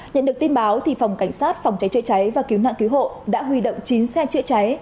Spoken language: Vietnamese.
nhận được tin báo phòng cảnh sát phòng cháy chữa cháy và cứu nạn cứu hộ đã huy động chín xe chữa cháy